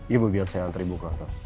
ibu biar saya antri ibu ke kantor